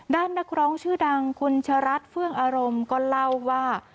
นักร้องชื่อดังคุณชะรัฐเฟื่องอารมณ์ก็เล่าว่า